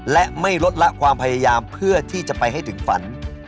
และไม่ลดละความพยายามเพื่อที่จะไปให้ถึงฝัน